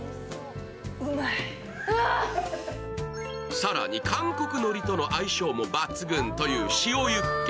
更に韓国のりとの相性も抜群という塩ユッケ。